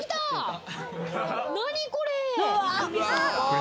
何これ！